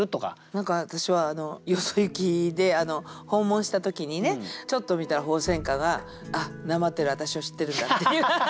何か私はよそゆきで訪問した時にねちょっと見たら鳳仙花があっなまってる私を知ってるんだっていう。